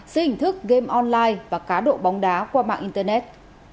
dưới hình thức game online và cá độ bóng đá qua mạng internet